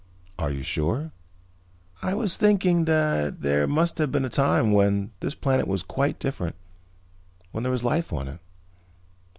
"Are you sure?" "I was thinking that there must have been a time when this planet was quite different, when there was life on it."